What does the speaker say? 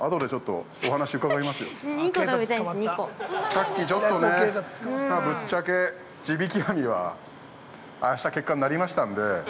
◆さっき、ちょっとね、ぶっちゃけ地引き網は、ああした結果になりましたんで。